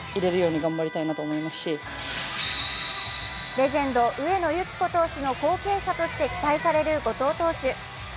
レジェンド・上野由岐子投手の後継者として期待される後藤投手。